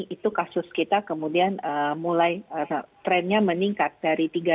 itu kasus kita kemudian mulai trendnya meningkat dari tiga